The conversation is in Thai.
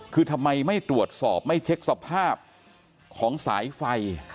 คือทำไมไม่ตรวจสอบไม่เช็คสภาพของสายไฟ